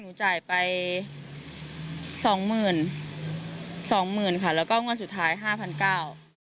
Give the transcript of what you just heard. หนูจ่ายไป๒หมื่นค่ะแล้วก็มันสุดท้าย๕๙๐๐บาท